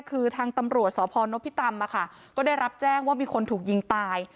คือทางตำรวจสพนพิตำก็ได้รับแจ้งว่ามีคนถูกยิงตาย